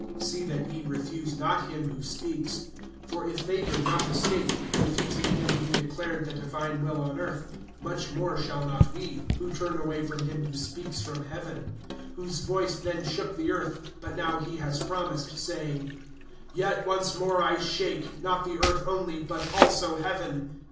(25)See that ye refuse not him who speaks; for if they did not escape, refusing him who declared the divine will on earth, much more shall not we, who turn away from him who speaks from heaven; (26)whose voice then shook the earth; but now he has promised, saying: Yet once more I shake, not the earth only, but also heaven.